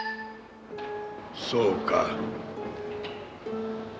そうか。